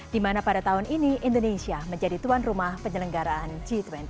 di mana pada tahun ini indonesia menjadi tuan rumah penyelenggaraan g dua puluh